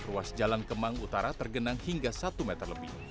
ruas jalan kemang utara tergenang hingga satu meter lebih